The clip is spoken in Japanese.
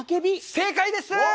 正解です。